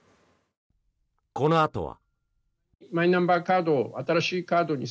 このあとは。